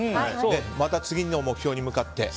また次の目標に向かって。